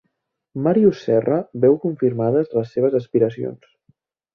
Màrius Serra veu confirmades les seves aspiracions.